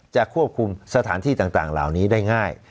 ควบคุมสถานที่ต่างเหล่านี้ได้ง่าย